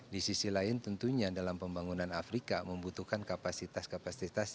di sisi lain tentunya dalam pembangunan afrika membutuhkan kapasitas kapasitas